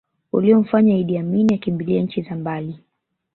Uliomfanya Iddi Amini akimbilie nchi za mbali